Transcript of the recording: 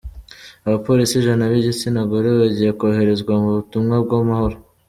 Abapolisi ijana b’igitsina gore bagiye koherezwa mu butumwa bw’amahoro